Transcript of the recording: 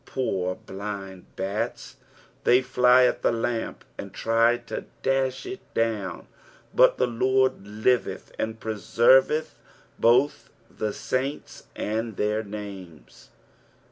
Poor blind bats, they fiy at the lamp, and try to dash it down ; but the Lord liveth, and preserveth both the saints and their names.